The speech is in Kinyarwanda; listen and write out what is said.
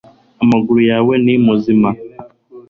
Amaguru yawe ni muzima